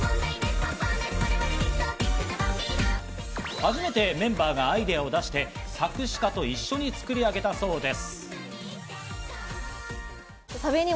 初めてメンバーがアイデアを出して作詞家と一緒に作り上げたそうです。